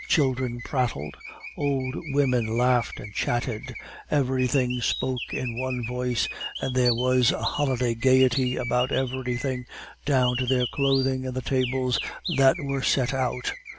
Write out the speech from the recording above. Children prattled, old women laughed and chatted; everything spoke in one voice, and there was a holiday gaiety about everything, down to their clothing and the tables that were set out.